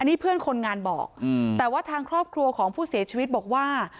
นี่เพื่อนคนงานบอกแต่ว่าทางครอบครัวของผู้เสียชีวิตบอกว่า